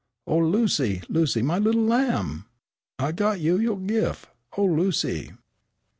Oh, Lucy, Lucy, my little lamb! I got you yo' gif'. Oh, Lucy!"